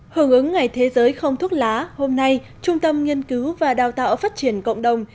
hưởng ứng ngày thế giới không thuốc lá hôm nay trung tâm nghiên cứu và đào tạo phát triển cộng đồng